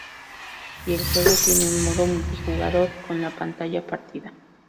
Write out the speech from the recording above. Y el juego tiene un modo multijugador con la Pantalla partida.